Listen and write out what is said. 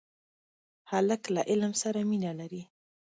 هلک له علم سره مینه لري.